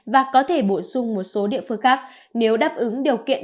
và có thể bổ sung một số địa phương khác nếu đáp ứng điều kiện